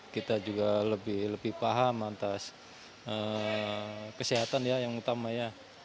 kita juga lebih paham antara kesehatan yang utamanya